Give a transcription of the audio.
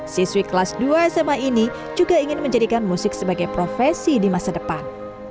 siswi kelas dua sma ini juga ingin menjadikan musik sebagai profesi di masa depan